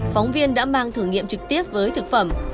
phóng viên đã mang thử nghiệm trực tiếp với thực phẩm